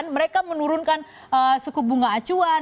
mereka menurunkan suku bunga acuan